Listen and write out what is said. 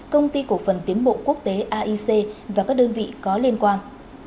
công ty cổ phần tiến bộ quốc tế aic và các đơn vị có liên quan